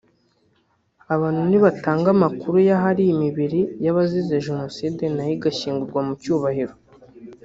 Abantu nibatanga amakuru y’ahari imibiri y’abazize Jenoside nayo igashyingurwa mu cyubahiro